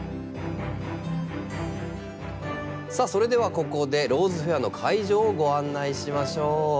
さあそれではここでローズフェアの会場をご案内しましょう。